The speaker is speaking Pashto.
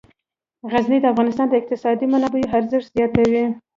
غزني د افغانستان د اقتصادي منابعو ارزښت زیاتوي.